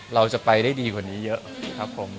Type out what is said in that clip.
เราจะไปได้ดีกว่านี้เยอะครับผม